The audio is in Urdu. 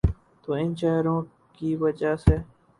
تو ان چہروں کی وجہ سے۔